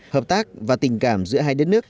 hợp tác và tình cảm giữa hai đất nước